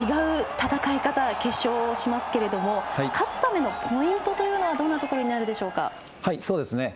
佐々木さん、予選とは違う戦い方決勝はしますけれども勝つためのポイントというのはどんなところになるでしょうか？